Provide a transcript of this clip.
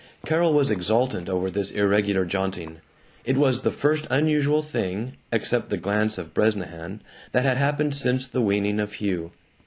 Carol was exultant over this irregular jaunting. It was the first unusual thing, except the glance of Bresnahan, that had happened since the weaning of Hugh.